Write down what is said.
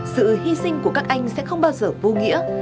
sự hy sinh của các anh sẽ không bao giờ vô nghĩa